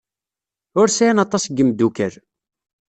Ur sɛin aṭas n yimeddukal.